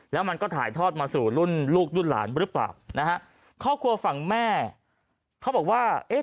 แล้วมันก็ถ่ายทอดมาสู่รุ่นลูกรุ่นหลานหรือเปล่านะฮะครอบครัวฝั่งแม่เขาบอกว่าเอ๊ะ